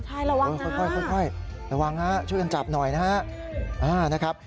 ใช่ระวังนะค่อยช่วยกันจับหน่อยนะฮะ